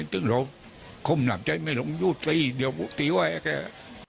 จนเราคุมหนักใจไม่ลงยูดตี้เดี๋ยวตีไว้แค่